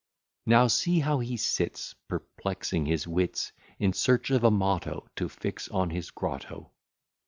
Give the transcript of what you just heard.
[Now see how he sits Perplexing his wits In search of a motto To fix on his grotto.